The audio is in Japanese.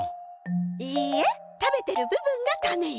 いいえ、食べてる部分が種よ。